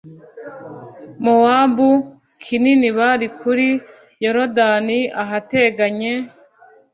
Mowabu kinini bari kuri Yorodani ahateganye